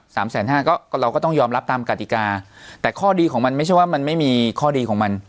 แสนห้าก็เราก็ต้องยอมรับตามกติกาแต่ข้อดีของมันไม่ใช่ว่ามันไม่มีข้อดีของมัน